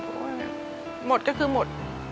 เพราะว่าเนี่ยหมดก็คือหมด